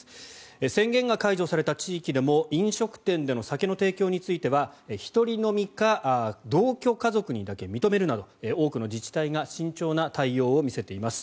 宣言が解除された地域でも飲食店での酒の提供については１人飲みか同居家族にだけ認めるなど多くの自治体が慎重な対応を見せています。